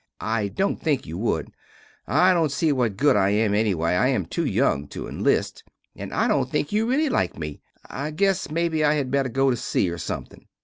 I dont think you wood, I dont see what good I am ennyway. I am two young to inlist and I dont think you relly like me. I guess mebbe I had better go to sea or something.